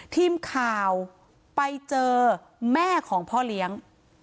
ทีมข่าวไปเจอแม่ของพ่อเลี้ยง